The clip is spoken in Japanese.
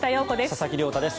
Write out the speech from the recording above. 佐々木亮太です。